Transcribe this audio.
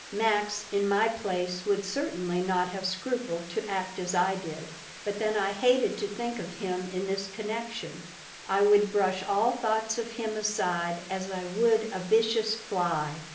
Max in my place would certainly not have scrupled to act as I did. But then I hated to think of him in this connection. I would brush all thoughts of him aside as I would a vicious fly.